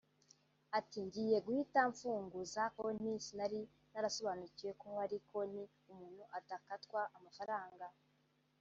Ati “Ngiye guhita mpfunguza konti sinari narasobanukiwe ko hari konti umuntu adakatwa amafaranga[